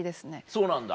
そうなんだ。